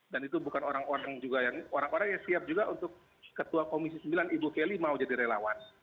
dan itu bukan orang orang juga yang orang orang yang siap juga untuk ketua komisi ix ibu kelly mau jadi relawan